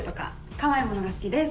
かわいいものが好きです。